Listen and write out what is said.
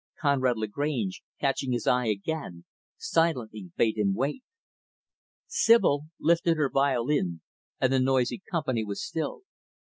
Conrad Lagrange, catching his eye, again, silently bade him wait. Sibyl lifted her violin and the noisy company was stilled.